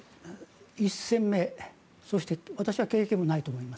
１戦目そして私は経験ないと思います。